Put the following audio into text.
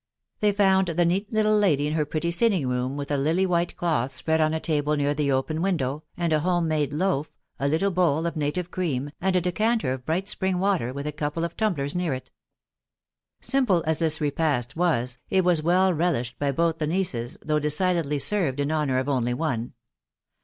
They found the neat little lady in her pretty sitting room, with a lily white cloth spread on a table near the open window, and ji home made loaf, a little bowl of native cream, and a decanter of bright spring water, with a couple of tumblers near it. Simple as this repast was, it was well relished by both the nieces, though decidedly served in honour of only one.